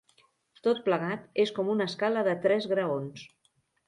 Tot plegat és com una escala de tres graons.